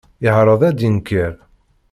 Yeɛreḍ ad d-yenker.